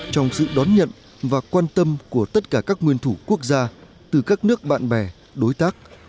trong sự đón nhận và quan tâm của tất cả các nguyên thủ quốc gia từ các nước bạn bè đối tác